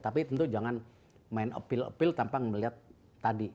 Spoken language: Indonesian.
tapi tentu jangan main mencoba tanpa melihat tadi